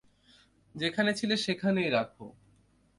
যেখানে ছিল সেখানেই রাখো!